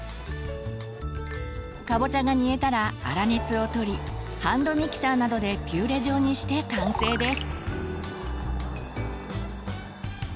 かぼちゃが煮えたら粗熱をとりハンドミキサーなどでピューレ状にして完成です。